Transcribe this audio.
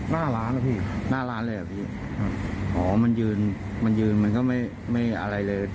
หน้าร้านนะพี่หน้าร้านเลยอ่ะพี่ครับอ๋อมันยืนมันยืนมันก็ไม่ไม่อะไรเลย